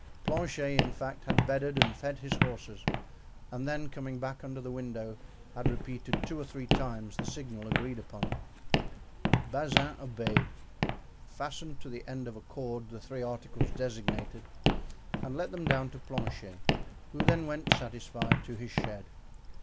Planchet, in fact, had bedded and fed his horses, and then coming back under the window had repeated two or three times the signal agreed upon. Bazin obeyed, fastened to the end of a cord the three articles designated and let them down to Planchet, who then went satisfied to his shed.